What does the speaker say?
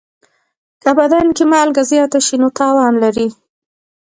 که بدن کې مالګه زیاته شي، نو تاوان لري.